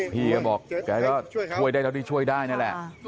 พี่ก็บอกแกก็ช่วยได้เท่าที่ช่วยได้นั่นแหละ